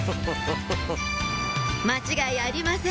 間違いありません